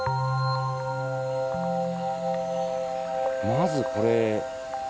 まずこれ。